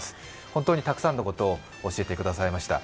本当にたくさんのことを教えてくださいました。